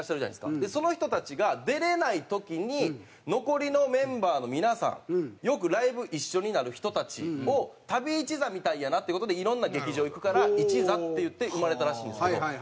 でその人たちが出れない時に残りのメンバーの皆さんよくライブ一緒になる人たちを旅一座みたいやなっていう事で色んな劇場行くから一座って言って生まれたらしいんですけど。